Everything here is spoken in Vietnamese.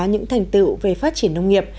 những thành tựu về phát triển nông nghiệp